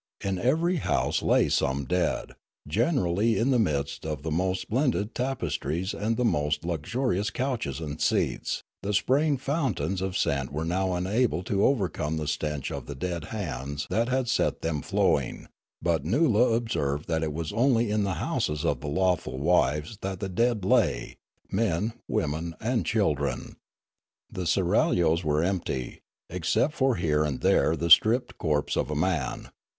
In every house lay some dead, generally in the midst of the most splendid tapestries and the most luxurious couches and seats ; the spraying fountains of scent were now unable to overcome the stench of the dead hands that had set them fiowing ; but Noola observed that it was only in the houses of the lawful wives that the dead lay, men, women, and children. The seraglios were empty, except for here and there the stripped corpse of a man.